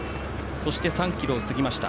そして、３ｋｍを過ぎました。